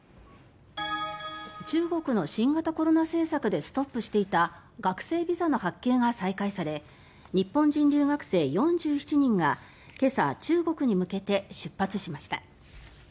中国の新型コロナ政策でストップしていた学生ビザの発券が再開され日本人留学生６４７人が今朝、中国に向けて出発しました。